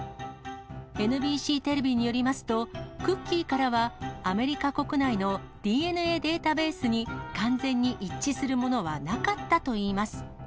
ＮＢＣテレビによりますと、クッキーからはアメリカ国内のＤＮＡデータベースに、完全に一致するものはなかったといいます。